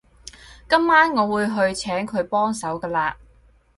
今晚我會去請佢幫手㗎喇